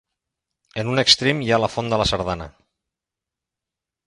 En un extrem hi ha la font de la Sardana.